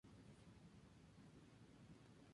Estos emplazamientos son frágiles.